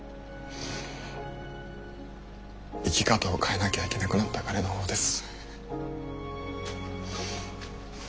生き方を変えなきゃいけなくなった彼の方です。